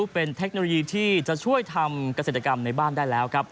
เป็นเทคโนโลยีที่จะช่วยทำเกษตรกรรมในบ้านได้แล้วครับ